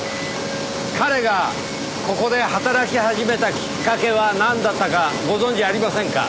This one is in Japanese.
彼がここで働き始めたきっかけはなんだったかご存じありませんか？